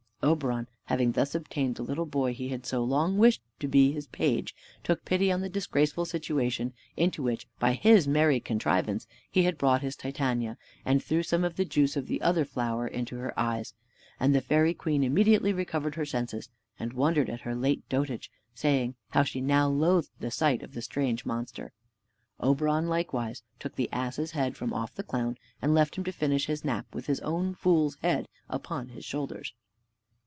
Oberon, having thus obtained the little boy he had so long wished for to be his page, took pity on the disgraceful situation into which, by his merry contrivance, he had brought his Titania, and threw some of the juice of the other flower into her eyes; and the fairy queen immediately recovered her senses, and wondered at her late dotage, saying how she now loathed the sight of the strange monster. Oberon likewise took the ass's head from off the clown, and left him to finish his nap with his own fool's head upon his shoulders.